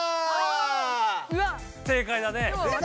不正解だね。